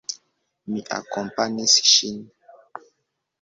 Mi akompanis ŝin.